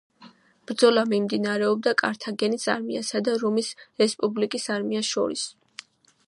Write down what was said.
ბრძოლა მიმდინარეობდა კართაგენის არმიასა და რომის რესპუბლიკის არმიას შორის.